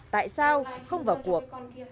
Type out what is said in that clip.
tại sao không vào cuộc